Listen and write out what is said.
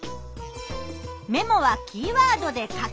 メモはキーワードで書く。